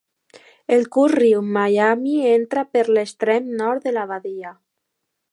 El curt riu Miami entra per l'extrem nord de la badia.